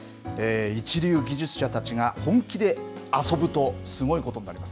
一流技術者たちが本気で遊ぶとすごいことになります。